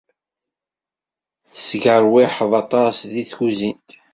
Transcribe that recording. Tesgerwiḥeḍ aṭas di tkuzint.